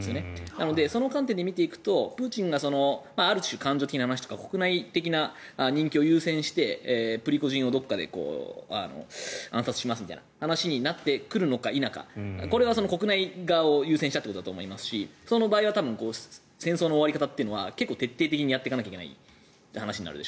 なのでその観点で見るとプーチンがある種感情的な話とか国内的な人気を優先してプリゴジンをどこかで暗殺しますみたいな話になってくるのか否かこれは国内側を優先したということだと思いますしその場合は戦争の終わり方は徹底的にやっていかなきゃいけない話になると。